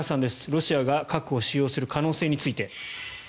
ロシアが核を使用する可能性について。